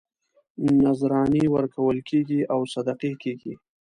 نذرانې ورکول کېږي او صدقې کېږي.